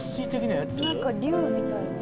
何か竜みたいな。